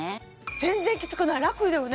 全然きつくないラクだよね